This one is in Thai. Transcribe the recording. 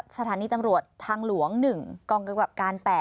สถานีตำรวจทางหลวง๑กองกำกับการ๘